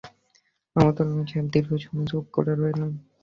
বরকতউল্লাহ সাহেব দীর্ঘ সময় চুপ করে রইলেন।